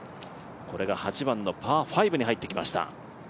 これが８番のパー５に入ってきました。